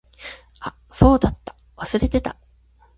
あ、そうだった。忘れてた。